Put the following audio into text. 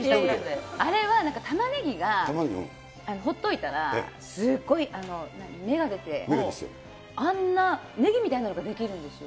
あれは、たまねぎがほっといたら、すごい芽が出て、あんなねぎみたいなのができるんですよ。